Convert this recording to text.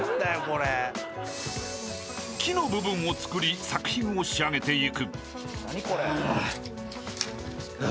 ［木の部分を作り作品を仕上げていく］あ。